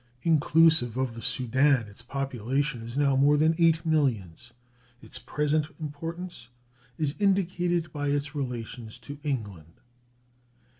Inclusive of the Soudan, its population is now more than eight millions. Its present importance is indicated by its relations to England.